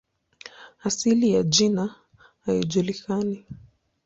Asili ya jina haijulikani.